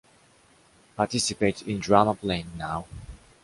Participate in drama playing now.